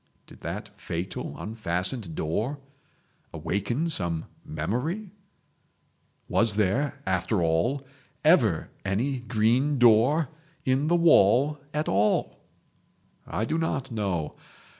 Did that fatal unfastened door awaken some memory? Was there, after all, ever any green door in the wall at all? I do not know.